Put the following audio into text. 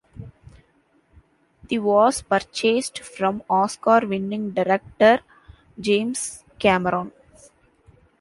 The was purchased from Oscar-winning director James Cameron.